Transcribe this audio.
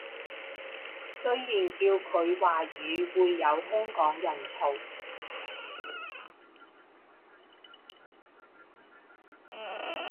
雖然叫佢華語會有香港人嘈